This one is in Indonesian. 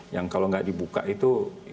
yang kalau nggak dibuka itu